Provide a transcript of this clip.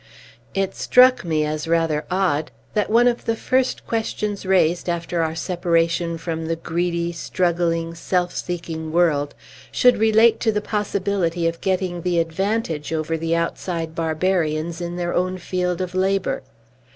It struck me as rather odd, that one of the first questions raised, after our separation from the greedy, struggling, self seeking world, should relate to the possibility of getting the advantage over the outside barbarians in their own field of labor.